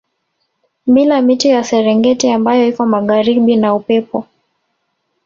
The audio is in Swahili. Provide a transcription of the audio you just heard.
Bila miti ya Serengeti ambayo iko magharibi na Upepo